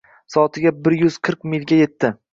Soatiga bir yuz qirq milga yetdi